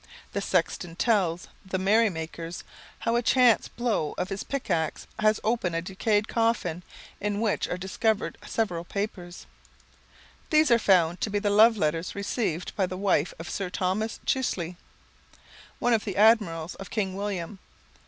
The sexton tells the merrymakers how a chance blow of his pickaxe has opened a decayed coffin, in which are discovered several papers. These are found to be the love letters received by the wife of Sir Thomas Chichley, one of the admirals of King William.